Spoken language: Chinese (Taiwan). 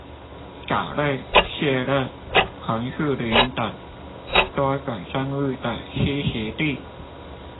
藻類、蟹類、紅樹林等多種生物的棲息地